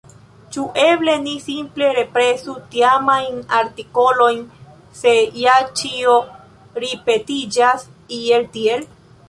Ĉu eble ni simple represu tiamajn artikolojn, se ja ĉio ripetiĝas, iel tiel?